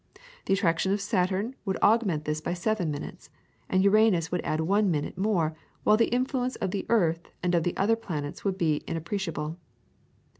The attraction of Saturn would augment this by seven minutes, and Uranus would add one minute more, while the influence of the Earth and of the other planets would be inappreciable.